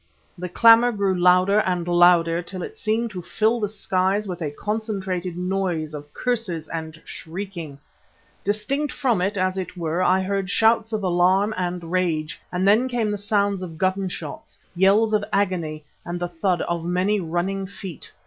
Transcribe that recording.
The clamour grew louder and louder till it seemed to fill the skies with a concentrated noise of curses and shrieking. Distinct from it, as it were, I heard shouts of alarm and rage, and then came the sounds of gunshots, yells of agony and the thud of many running feet.